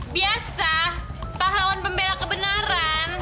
biasa pahlawan pembela kebenaran